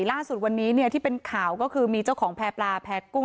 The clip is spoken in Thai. ล่าสุดวันนี้เนี่ยที่เป็นข่าวก็คือมีเจ้าของแพร่ปลาแพร่กุ้ง